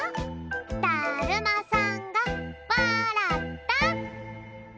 だるまさんがわらった！